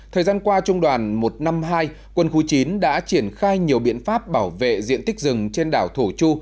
thời gian qua trung đoàn một trăm năm mươi hai quân khu chín đã triển khai nhiều biện pháp bảo vệ diện tích rừng trên đảo thổ chu